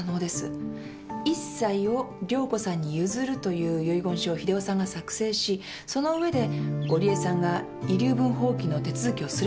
一切を涼子さんに譲るという遺言書を秀雄さんが作成しその上で織江さんが遺留分放棄の手続きをすればいいんです。